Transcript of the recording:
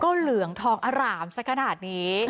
ก็เหลืองทองอร่ามสักขนาดนี้